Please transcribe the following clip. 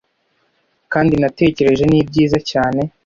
kandi ,, natekereje: nibyiza cyane,